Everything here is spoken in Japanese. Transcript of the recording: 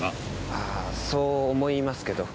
あぁそう思いますけど。